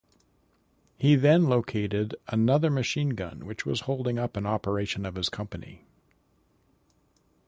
He then located another machine-gun which was holding up an operation of his company.